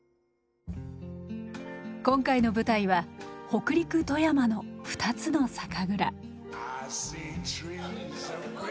今回の舞台は北陸・富山の２つの酒蔵。